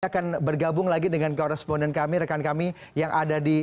akan bergabung lagi dengan koresponden kami rekan kami yang ada di